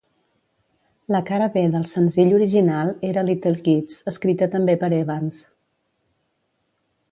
La cara B del senzill original era "Little Kids", escrita també per Evans.